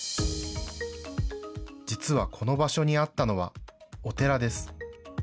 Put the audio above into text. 実はこの場所にあったのはお寺です。